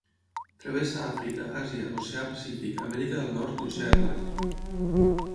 Travessa Àfrica, Àsia, l’Oceà Pacífic, Amèrica del Nord l'oceà Atlàntic.